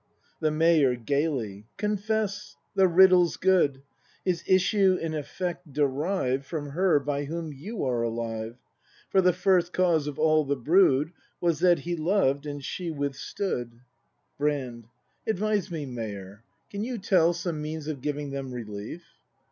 The Mayor. [Gaily.] Confess, the riddle's good! His issue in effect derive From her by whom you are alive; For the first cause of all the brood Was, that he loved and she withstood. 18G BRAND [ACT IV Brand. Advise me, Mayor; can you tell Some means of giving them relief?